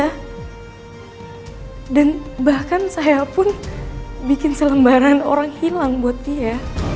hai dan bahkan saya pun bikin selembaran orang hilang buat dia